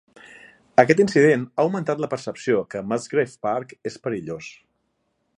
Aquest incident ha augmentat la percepció que el Musgrave Park és perillós.